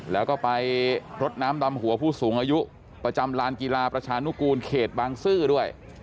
แล้วก็ไปรดน้ำดำหัวผู้สูงอายุประจำลานกีฬาประชานุกูลเขตบางซื่อด้วย